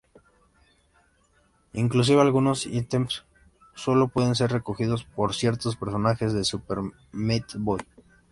Inclusive, algunos ítems solo pueden ser recogidos por ciertos personajes de "Super Meat Boy".